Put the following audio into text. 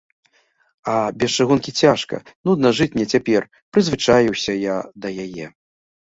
А без чыгункі цяжка, нудна жыць мне цяпер, прызвычаіўся я да яе.